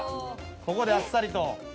ここであっさりと。